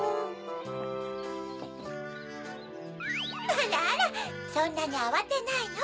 あらあらそんなにあわてないの！